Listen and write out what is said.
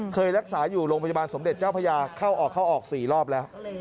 เคยรักษาอยู่โรงพยาบาลสมเด็จเจ้าพระยาเข้าออกเข้าออก๔รอบแล้ว